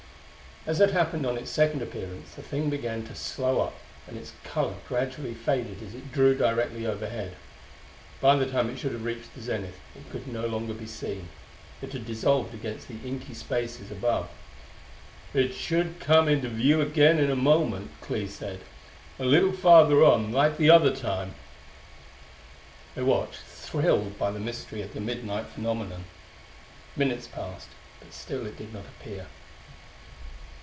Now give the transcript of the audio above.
As had happened on its second appearance, the thing began to slow up and its color gradually faded as it drew directly overhead. By the time it should have reached the zenith it could no longer be seen. It had dissolved against the inky spaces above. "It should come into view again in a moment," Clee said; "a little farther on, like the other time." They watched, thrilled by the mystery of the midnight phenomenon. Minutes passed, but still it did not appear.